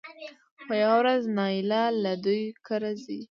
خو يوه ورځ نايله له دوی کره ځي